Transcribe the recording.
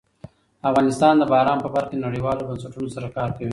افغانستان د باران په برخه کې نړیوالو بنسټونو سره کار کوي.